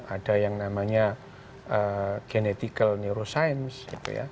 ada yang namanya genetical neuroscience gitu ya